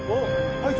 開いた！」